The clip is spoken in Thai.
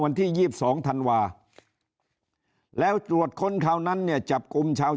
วันที่๒๒ธันวาแล้วตรวจค้นคราวนั้นเนี่ยจับกลุ่มชาว